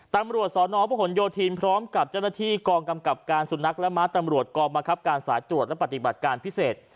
ตำรวจสนพหนโยธินพร้อมกับเจ้าหน้าที่กองกำกับการสุนัขและม้าตำรวจกองบังคับการสายตรวจและปฏิบัติการพิเศษ